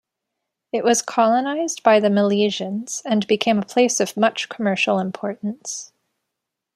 It was colonized by the Milesians and became a place of much commercial importance.